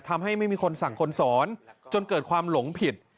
ทำให้ไม่มีคนสั่งคนสอนจนเกิดความหลงผิด